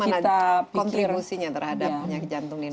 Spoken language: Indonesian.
bagaimana kontribusinya terhadap penyakit jantung di indonesia